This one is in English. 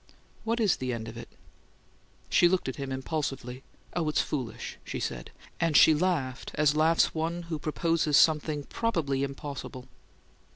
"What is the end of it?" She looked at him impulsively. "Oh, it's foolish," she said, and she laughed as laughs one who proposes something probably impossible.